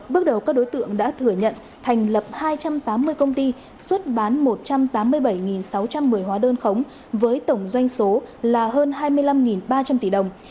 bước đầu các đối tượng đã thừa nhận thành lập hai trăm tám mươi công ty xuất bán một trăm tám mươi bảy sáu trăm một mươi hóa đơn khống với tổng doanh số là hơn hai mươi năm ba trăm linh tỷ đồng